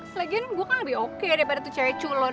selagian gue kan lebih oke daripada tuh cewek culon